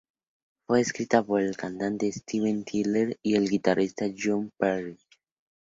Fue escrita por el cantante Steven Tyler y el guitarrista Joe Perry.